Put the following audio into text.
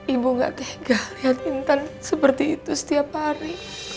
ibu gak tega lihat intan seperti itu setiap hari